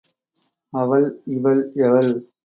அவள் இவள் எவள்